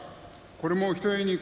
これも、ひとえに